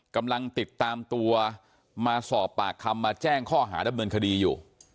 กำลังติดตามตัวมาสอบปากคำมาแจ้งข้อหาดำเนินคดีอยู่